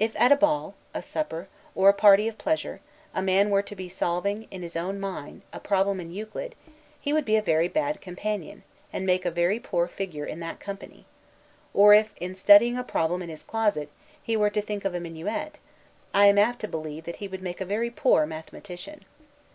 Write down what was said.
If at a ball, a supper, or a party of pleasure, a man were to be solving, in his own mind, a problem in Euclid, he would be a very bad companion, and make a very poor figure in that company; or if, in studying a problem in his closet, he were to think of a minuet, I am apt to believe that he would make a very poor mathematician.